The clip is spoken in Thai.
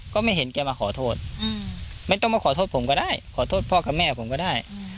ก็ไม่เห็นแกมาขอโทษไม่ต้องมาขอโทษผมก็ได้ขอโทษพ่อกับแม่ผมก็ได้